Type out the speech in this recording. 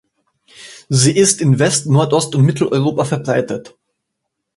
Sie ist in West-, Nordost- und Mitteleuropa verbreitet.